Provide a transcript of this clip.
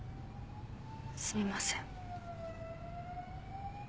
すみません。